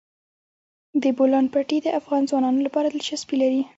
د بولان پټي د افغان ځوانانو لپاره دلچسپي لري.